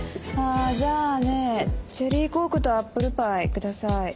ああじゃあねチェリーコークとアップルパイください。